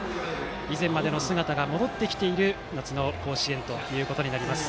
以前までの姿が戻ってきている夏の甲子園となります。